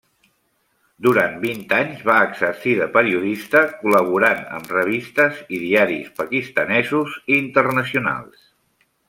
Durant vint anys va exercir de periodista, col·laborant amb revistes i diaris pakistanesos i internacionals.